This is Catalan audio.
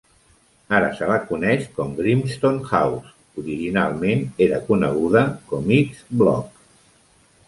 Ara se la coneix com Grimston House, originalment era coneguda com X Block.